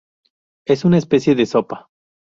Es una especie de sopa.